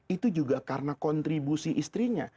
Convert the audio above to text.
itu juga karena kontribusi istrinya